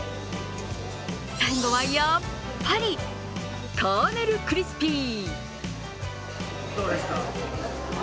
最後はやっぱりカーネルクリスピー。